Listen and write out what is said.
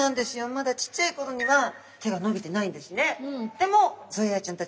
まだちっちゃい頃には手が伸びてないんですね。